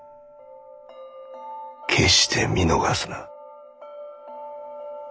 決して見逃すな。